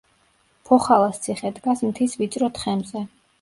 ფოხალას ციხე დგას მთის ვიწრო თხემზე.